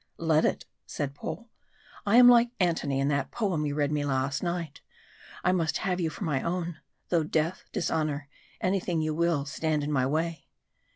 "Let it!" said Paul. "I am like Antony in that poem you read me last night. I must have you for my own, 'Though death, dishonour, anything you will, stand in the way.'